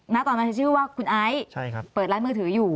ตอนนั้นชื่อว่าคุณไอซ์เปิดร้านมือถืออยู่